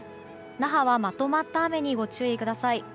那覇はまとまった雨にご注意ください。